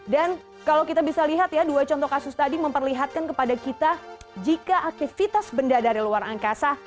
dan kalau kita bisa lihat ya dua contoh kasus tadi memperlihatkan kepada kita jika aktivitas benda dari luar angkasa